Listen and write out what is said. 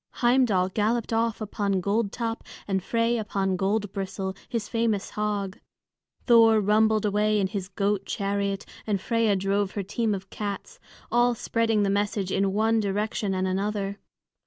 Heimdal galloped off upon Goldtop and Frey upon Goldbristle, his famous hog; Thor rumbled away in his goat chariot, and Freia drove her team of cats, all spreading the message in one direction and another.